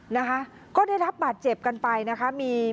นะคะก็ได้รับบาดเจ็บกันไปนะคะมี